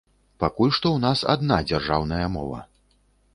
Пакуль што ў нас адна дзяржаўная мова.